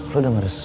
lu udah meresap